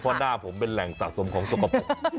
เพราะหน้าผมเป็นแหล่งสะสมของสกปรก